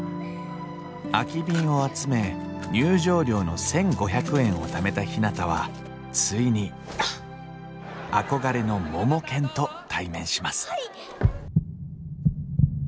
空き瓶を集め入場料の１，５００円をためたひなたはついに憧れのモモケンと対面します